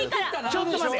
ちょっと待て。